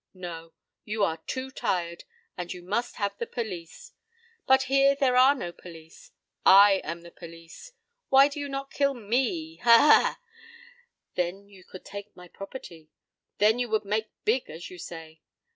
No, you are too tired, and you must have the police. But here there are no police. I am the police. Why do you not kill me? Ha ha ha! Then you could take my property. Then you would "make big," as you say.